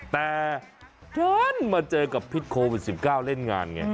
แต่เดินมาเจอกับพิษโควิด๑๙เล่นงานไง